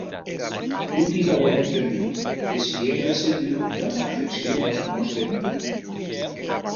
Toti l'auem entenut, que siguec recebut damb afeccion en nòste mon.